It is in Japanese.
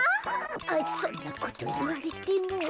あそんなこといわれても。